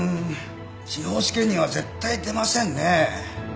司法試験には絶対出ませんね。